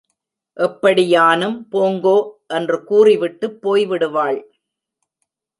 எப்படியானும் போங்கோ! என்று கூறிவிட்டுப் போய் விடுவாள்.